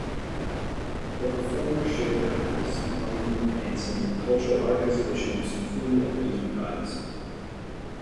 The performers share their acts, drumming, dancing, cultural art exhibitions, food and amusement rides.